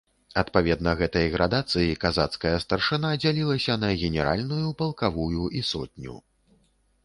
Адпаведна гэтай градацыі, казацкая старшына дзялілася на генеральную, палкавую і сотню.